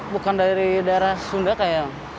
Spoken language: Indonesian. bukan dari daerah sunda kayak